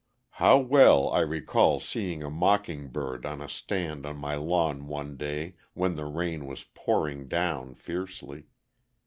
How well I recall seeing a mocking bird on a stand on my lawn one day when the rain was pouring down fiercely.